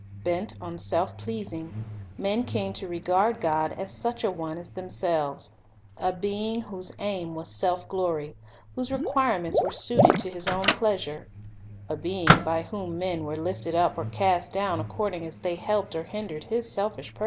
Bent on self pleasing, men came to regard God as such a one as themselves, — a Being whose aim was self glory, whose requirements were suited to His own pleasure; a Being by whom men were lifted up or cast down according as they helped or hindered His selfish purpose.